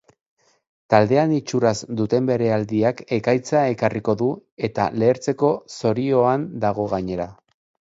Taldean itxuraz duten barealdiak ekaitza ekarriko du, eta lehertzeko zorioan dago gainera.